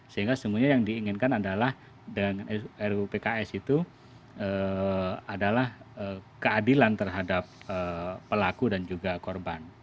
sehingga semuanya yang diinginkan adalah dengan ruu pks itu adalah keadilan terhadap pelaku dan juga korban